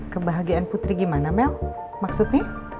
kebahagiaan putri gimana mel maksudnya